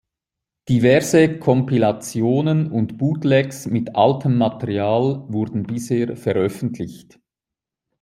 Diverse Kompilationen und Bootlegs mit altem Material wurden bisher veröffentlicht.